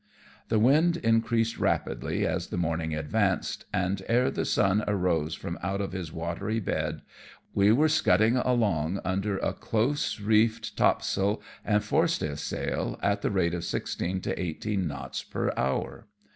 The wind increased rapidly as the morning advanced, and ere the sun arose from out of his watery bed, we were scudding along under a close reefed topsail and forestaysail, at the rate of sixteen to eighteen knots per hour.